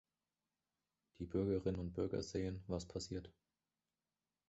Die Bürgerinnen und Bürger sehen, was passiert.